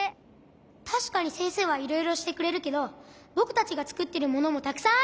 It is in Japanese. たしかにせんせいはいろいろしてくれるけどぼくたちがつくってるものもたくさんあるんだよ。